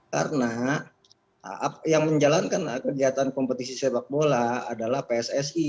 karena yang menjalankan kegiatan kompetisi sepak bola adalah pssi